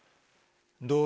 どう？